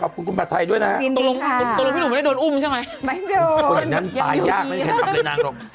กับคุณกุศผัดไทยด้วยนะครับ